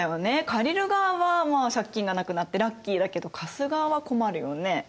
借りる側はまあ借金がなくなってラッキーだけど貸す側は困るよね。